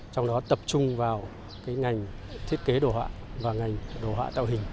trong đó tập trung vào ngành thiết kế đồ họa và ngành đồ họa tạo hình